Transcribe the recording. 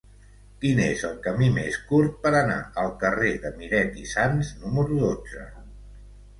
Quin és el camí més curt per anar al carrer de Miret i Sans número dotze?